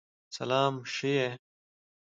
سلام شه یی!